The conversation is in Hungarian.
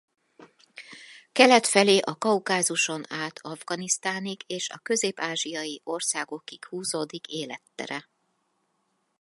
Kelet felé a Kaukázuson át Afganisztánig és a közép-ázsiai országokig húzódik élettere.